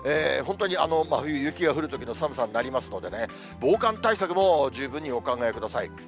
本当に真冬、雪が降るときの寒さになりますのでね、防寒対策も十分にお考えください。